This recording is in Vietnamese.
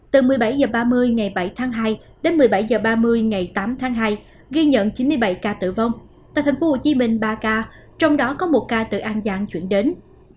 từ một mươi bảy h ba mươi ngày bảy tháng hai đến một mươi bảy h ba mươi ngày tám tháng hai ghi nhận chín mươi bảy ca tử vong tại thành phố hồ chí minh ba ca trong đó có một ca tử an giang chuyển đến